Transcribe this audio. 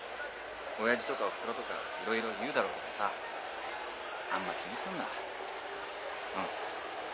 親父とかおふくろとかいろいろ言うだろうけどさあんま気にすんなうん。